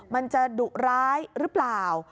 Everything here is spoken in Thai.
มันจะดุร้ายหรือเปล่า